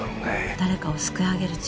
誰かを救い上げる力